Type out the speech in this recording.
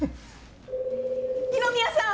二宮さん！